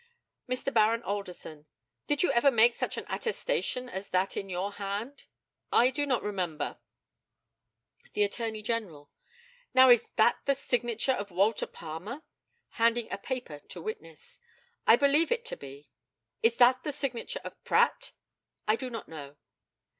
Mr. Baron ALDERSON: Did you ever make such an attestation as that in your hand? I do not remember. The ATTORNEY GENERAL: Now is that the signature of Walter Palmer (handing a paper to witness)? I believe it to be. Is that the signature of Pratt? I do not know.